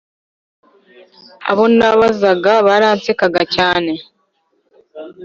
abo nabazaga baransekaga cyane